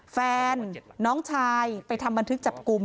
แฟนน้องชายไปทำบันทึกจับกลุ่ม